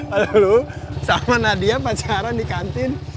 lalu lu sama nadia pacaran di kantin